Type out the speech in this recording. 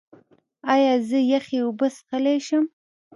ایا زه یخې اوبه څښلی شم؟